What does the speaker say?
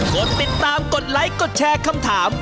กดติดตามกดไลค์กดแชร์คำถาม